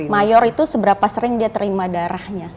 mayor itu seberapa sering dia terima darahnya